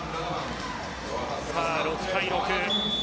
６対６。